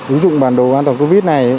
ứng dụng bản đồ an toàn covid này